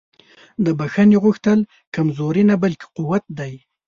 د بښنې غوښتل کمزوري نه بلکې قوت دی.